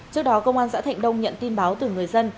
trước đó công an xã thạnh đông nhận tin báo từ người dân